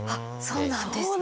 そうなんですか！